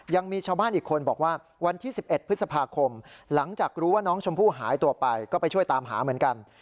ยังมีชาวบ้านอีกคนบอกว่าวันที่๑๑พฤษภาคมหลังจากรู้ว่าน้องชมพู่หายตัวไปก็ไปช่วยตามหาเหมือนกัน